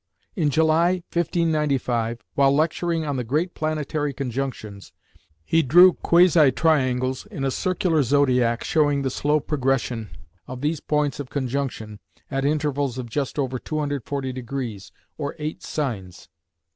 In July, 1595, while lecturing on the great planetary conjunctions, he drew quasi triangles in a circular zodiac showing the slow progression of these points of conjunction at intervals of just over 240° or eight signs.